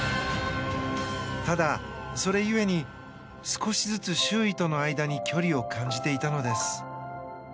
ただ、それ故に少しずつ周囲との間に距離を感じていたのです。